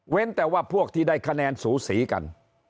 แต่ว่าพวกที่ได้คะแนนสูสีกัน